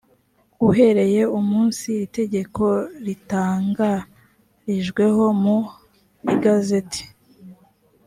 uhereye umunsi iri tegeko ritangarijweho mu igazeti